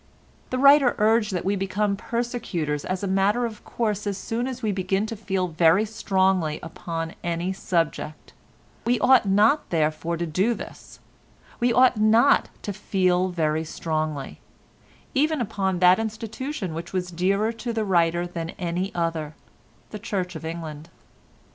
The writer urged that we become persecutors as a matter of course as soon as we begin to feel very strongly upon any subject; we ought not therefore to do this; we ought not to feel very strongly—even upon that institution which was dearer to the writer than any other—the Church of England.